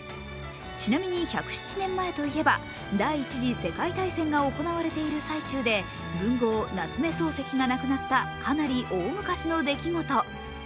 ちなみに１０７年前といえば第一次世界大戦が行われている最中で文豪・夏目漱石が亡くなった、かなり大昔の出来事。